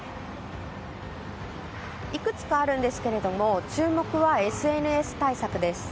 いくつかあるんですけれども注目はＳＮＳ対策です。